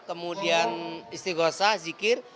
kemudian istighfasa zikir